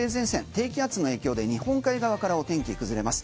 低気圧の影響で日本海側からお天気崩れます。